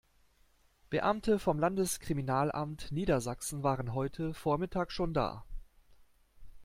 Beamte vom Landeskriminalamt Niedersachsen waren heute Vormittag schon da.